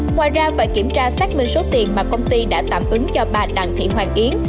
ngoài ra và kiểm tra xác minh số tiền mà công ty đã tạm ứng cho bà đặng thị hoàng yến